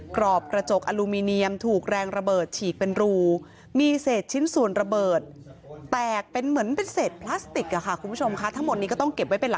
กรอบกระจกอะลูมีเนียมถูกแรงระเบิดฉีกเป็นรูมีเศษชิ้นสูญระเบิดแตกเป็นเหมือนเป็นเศษแพลสติกนะคะคุณผู้ชมคะ